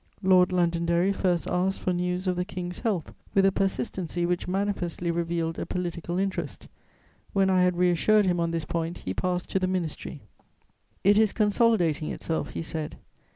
"Lord Londonderry first asked for news of the King's health, with a persistency which manifestly revealed a political interest; when I had reassured him on this point, he passed to the Ministry: "'It is consolidating itself,' he said.